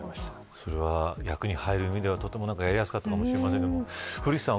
それは役に入る意味ではやりやすかったと思いますが古市さん